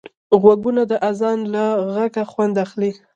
غوږونه د اذان له غږه خوند اخلي